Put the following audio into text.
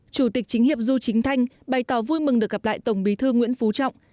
chủ tịch chính hiệp du chính thanh bày tỏ vui mừng được gặp lại tổng bí thư nguyễn phú trọng